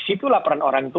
itulah peran orang tua